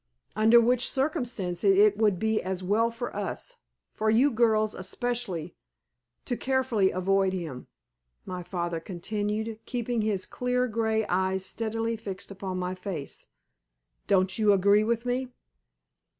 "Under which circumstances it would be as well for us for you girls especially to carefully avoid him," my father continued, keeping his clear, grey eyes steadily fixed upon my face. "Don't you agree with me?"